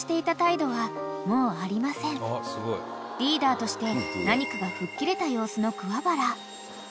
［リーダーとして何かが吹っ切れた様子の桑原］